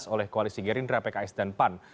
oleh koalisi gerindra pek ais dan pan